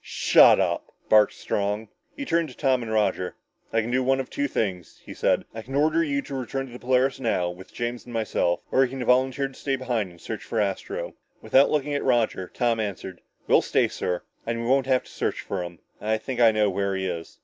"Shut up!" barked Strong. He turned to Tom and Roger. "I can do one of two things," he said. "I can order you to return to the Polaris now, with James and myself, or you can volunteer to stay behind and search for Astro." Without looking at Roger, Tom answered, "We'll stay, sir. And we won't have to search for him. I think I know where he is."